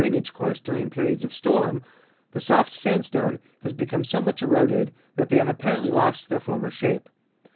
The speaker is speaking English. THE ENCHANTED MESA 277 age course during periods of storm, the soft sandstone has become so much eroded that they have apparent!}' lost their former shape.